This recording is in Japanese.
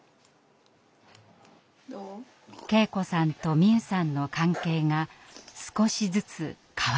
圭子さんと美夢さんの関係が少しずつ変わってきました。